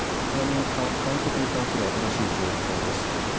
ちなみに観測に関する新しい情報です